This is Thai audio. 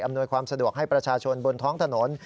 ความสะดวกให้ประชาชนบนท้องถนน